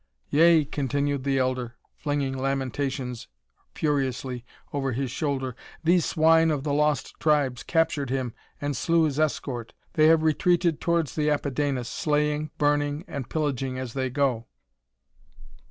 "Yea!" continued the elder, flinging lamentations furiously over his shoulder, "these swine of the Lost Tribes captured him and slew his escort. They have retreated towards the Apidanus, slaying, burning and pillaging as they go."